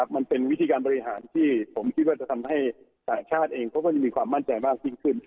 มันเป็นวิธีการบริหารที่ผมคิดว่าจะทำให้ต่างชาติเองเขาก็จะมีความมั่นใจมากยิ่งขึ้น